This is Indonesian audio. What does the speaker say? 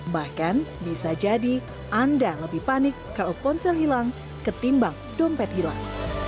bahkan bisa jadi anda lebih panik kalau ponsel hilang ketimbang dompet hilang